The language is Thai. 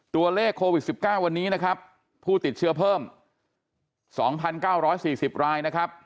ตัวเลขโควิด๑๙วันนี้นะครับผู้ติดเชื้อเพิ่ม๒๙๔๐รายนะครับ